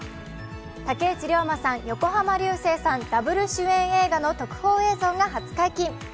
竹内涼真さん、横浜流星さん、ダブル主演映画の特報映像が初解禁。